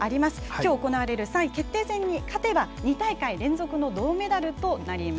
きょう行われる３位決定戦に勝てば２大会連続の銅メダルとなります。